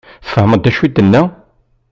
Tfehmeḍ d acu i d-tenna?